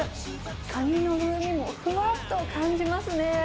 カニの風味もふわっと感じますね。